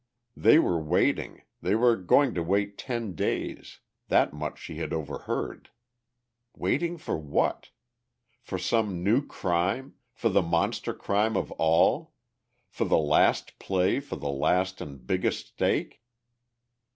They were waiting, they were going to wait ten days; that much she had overheard. Waiting for what? For some new crime, for the monster crime of all, for the last play for the last and biggest stake?